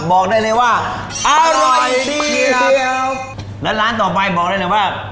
บอกได้เลยว่าอร่อยดีครับแล้วร้านต่อไปบอกได้เลยว่า